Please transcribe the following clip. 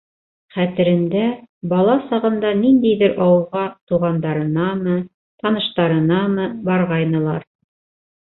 Хәтерендә, бала сағында ниндәйҙер ауылға туғандарынамы, таныштарынамы барғайнылар.